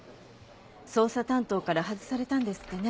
捜査担当から外されたんですってね。